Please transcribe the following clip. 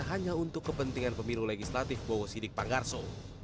hanya untuk kepentingan pemilu legislatif bowo sidik panggarso